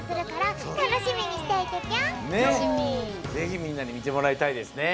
ぜひみんなにみてもらいたいですね。